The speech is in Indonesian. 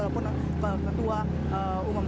ataupun ketua umum